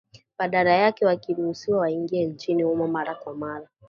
badala yake wakiruhusiwa waingie nchini humo mara kwa mara